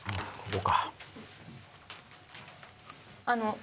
あの。